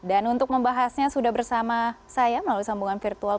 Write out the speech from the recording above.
dan untuk membahasnya sudah bersama saya melalui sambungan virtual